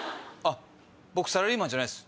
僕サラリーマンじゃないです。